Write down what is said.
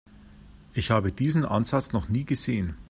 Ich habe diesen Ansatz noch nie gesehen.